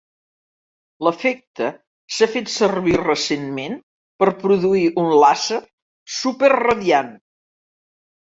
L'efecte s'ha fet servir recentment per produir un làser superradiant.